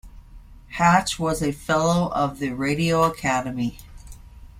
Hatch was a Fellow of The Radio Academy.